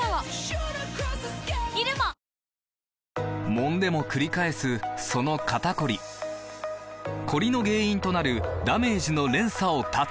もんでもくり返すその肩こりコリの原因となるダメージの連鎖を断つ！